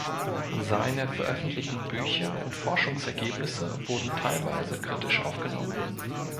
Seine veröffentlichten Bücher und Forschungsergebnisse wurden teilweise kritisch aufgenommen.